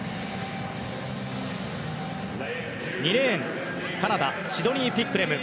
２レーン、カナダシドニー・ピックレム。